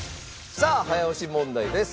さあ早押し問題です。